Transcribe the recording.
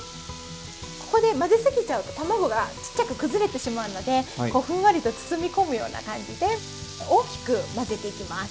ここで混ぜ過ぎちゃうと卵がちっちゃく崩れてしまうのでこうふんわりと包み込むような感じで大きく混ぜていきます。